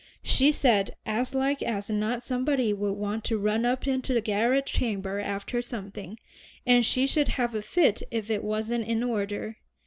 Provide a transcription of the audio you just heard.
She said as like as not somebody would want to run up into the garret chamber after something, and she should have a fit if it wasn't in order.